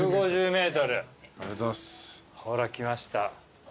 ほら来ました。